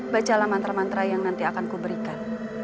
bacalah mantra mantra yang nanti akan kuberikan